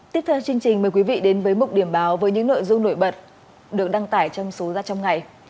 tiếp theo chương trình mời quý vị đến với mục điểm báo với những nội dung nổi bật được đăng tải trong số ra trong ngày